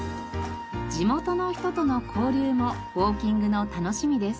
地元の人との交流もウォーキングの楽しみです。